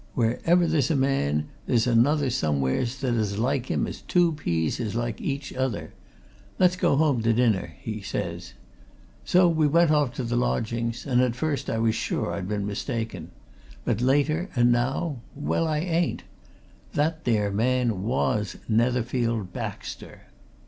'Wherever there's a man, there's another somewheres that's as like him as two peas is like each other; let's go home to dinner,' he says. So we went off to the lodgings, and at first I was sure I'd been mistaken. But later, and now well, I ain't. That there man was Netherfield Baxter!"